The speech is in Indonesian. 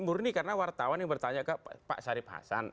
murni karena wartawan yang bertanya ke pak sarip hasan